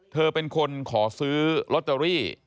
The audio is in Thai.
เธอเป็นคนขอซื้อลอตเตอรี่